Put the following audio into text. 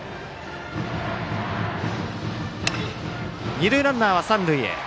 二塁ランナーは三塁へ。